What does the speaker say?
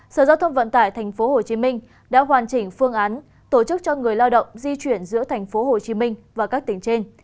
sở giao thông vận tải tp hcm đã hoàn chỉnh phương án tổ chức cho người lao động di chuyển giữa tp hcm và các tỉnh trên